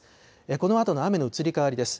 このあとの雨の移り変わりです。